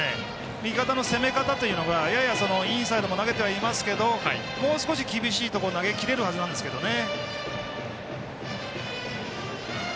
右の攻め方というのがややインサイドも投げてはいますけど、もう少し厳しいところ投げ切れるはずなんですけどね。